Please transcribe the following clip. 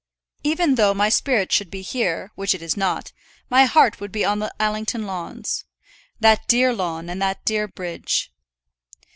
Even though my spirit should be here, which it is not, my heart would be on the Allington lawns. That dear lawn and that dear bridge!